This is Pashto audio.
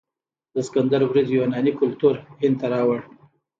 د سکندر برید یوناني کلتور هند ته راوړ.